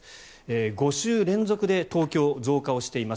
５週連続で東京は増加をしています。